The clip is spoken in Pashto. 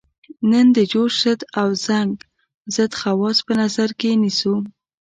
نن د جوش ضد او زنګ ضد خواص په نظر کې نیسو.